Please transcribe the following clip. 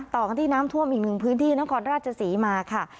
ต่อกันที่น้ำท่วมอีกหนึ่งพื้นที่นครราชศรีมาค่ะ